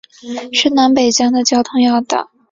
是南北疆的交通要道。